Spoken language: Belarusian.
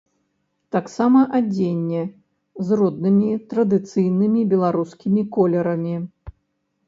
Таксама адзенне з роднымі, традыцыйнымі беларускімі колерамі.